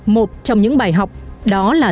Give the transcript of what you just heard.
một trong những bài học đó là